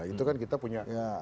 itu kan kita punya